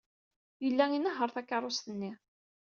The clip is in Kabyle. Yella inehheṛ takeṛṛust-nni.